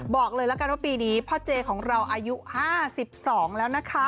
บอกเลยละกันว่าปีนี้พ่อเจของเราอายุ๕๒แล้วนะคะ